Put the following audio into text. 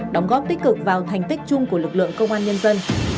đóng góp tích cực vào thành tích chung của lực lượng công an nhân dân